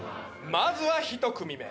まずは１組目。